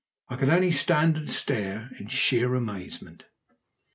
I could only stand and stare at it in sheer amazement.